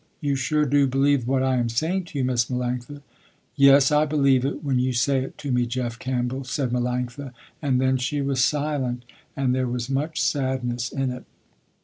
You sure do believe what I am saying to you Miss Melanctha." "Yes I believe it when you say it to me, Jeff Campbell," said Melanctha, and then she was silent and there was much sadness in it.